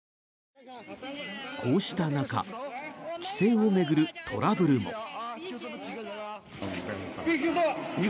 こうした中帰省を巡るトラブルも。